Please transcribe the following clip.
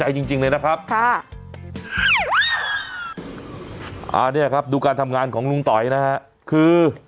แล้วนี้ครับรูปผมดูการทำงานของลุ้งต๋อยคือ